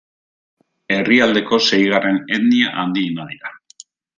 Herrialdeko seigarren etnia handiena dira.